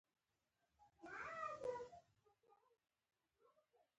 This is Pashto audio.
افغانان باید په دي پوه شي پاکستان او ایران زمونږ دوښمنان دي